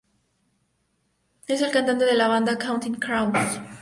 Es el cantante de la banda Counting Crows.